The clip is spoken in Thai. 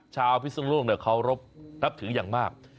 ชาวพิสุนโลกเนี่ยเคารพนับถืออย่างมาก